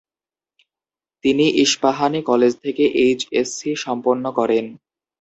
তিনি ইস্পাহানি কলেজ থেকে এইচএসসি সম্পন্ন করেন।